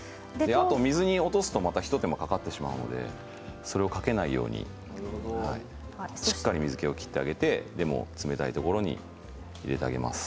水に落とすと一手間かかってしまいますのでそれをかけないようにしっかり水けを切ってあげて冷たいところに入れてあげます。